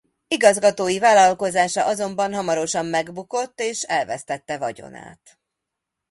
Igazgatói vállalkozása azonban hamarosan megbukott és elvesztette vagyonát.